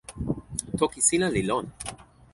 toki sina li lon.